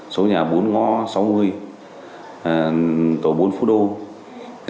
công an quận xác định có đối tượng